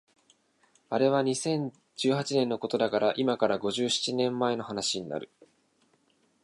あれは二千十八年のことだから今から五十七年前の話になる